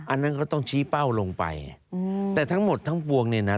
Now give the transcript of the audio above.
อันนั้นก็ต้องชี้เป้าลงไปแต่ทั้งหมดทั้งปวงเนี่ยนะ